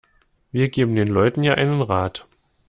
Wir geben den Leuten ja einen Rat.